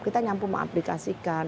kita mampu mengaplikasikan